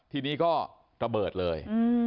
ทีนี้ก็ระเบิดเลย